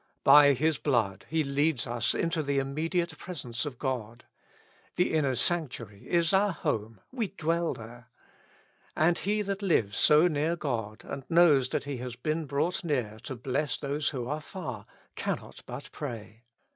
By His blood He leads us into the immediate presence of God. The inner sanctuary is our home, we dwell there. And He that lives so near God, and knows that He has been brought near to bless those who are far, cannot but pray.